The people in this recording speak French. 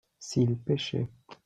s'il pêchait.